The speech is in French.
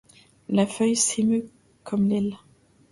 La feuille s'émeut comme l'aile